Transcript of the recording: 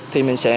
thì mình sẽ